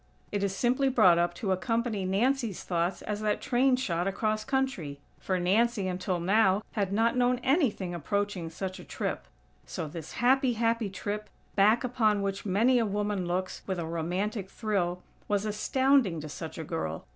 It is simply brought up to accompany Nancy's thoughts as that train shot across country; for Nancy, until now, had not known anything approaching such a trip. So this happy, happy trip, back upon which many a woman looks, with a romantic thrill, was astounding to such a girl.